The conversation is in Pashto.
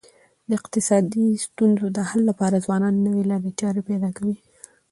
د اقتصادي ستونزو د حل لپاره ځوانان نوي لاري چاري پیدا کوي.